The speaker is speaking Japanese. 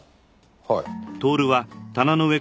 はい。